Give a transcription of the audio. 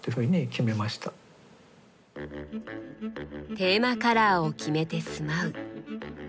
テーマカラーを決めて住まう。